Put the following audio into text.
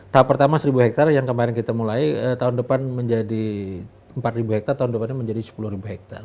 tahap pertama seribu hektar yang kemarin kita mulai tahun depan menjadi empat ribu hektar tahun depannya menjadi sepuluh hektar